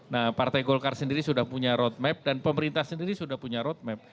nah partai golkar sendiri sudah punya roadmap dan pemerintah sendiri sudah punya roadmap